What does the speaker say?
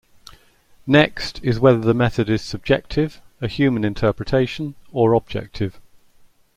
Next is whether the method is subjective, a human interpretation, or objective.